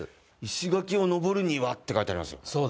「石垣を登るには」って書いてあります。